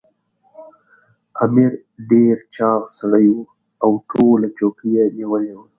امیر ډېر چاغ سړی وو او ټوله چوکۍ یې نیولې وه.